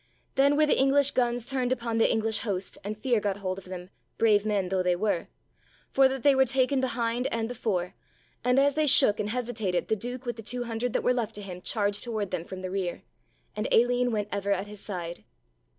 Then were the English guns turned upon the English host and fear got hold of them, brave men though they were, for that they were taken behind and before; and as they shook and hesitated the Duke with the two hundred that were left to him charged toward them from the rear. And Aline went ever at his side.